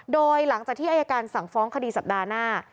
โดยหลังจากที่อายการสั่งฟ้องคดีสัปดาห์หน้า